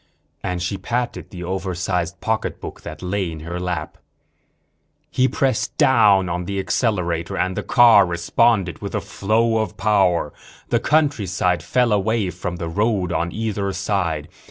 And she patted the oversized pocketbook that lay in her lap. He pressed down on the accelerator and the car responded with a flow of power. The countryside fell away from the road on either side.